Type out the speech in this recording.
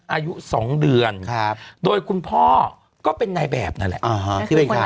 อายุสองเดือนครับโดยคุณพ่อก็เป็นนายแบบนั่นแหละอ่าฮะ